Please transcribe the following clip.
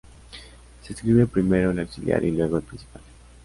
Se escribe primero el auxiliar y luego el principal.